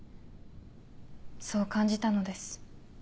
そう感じたのです。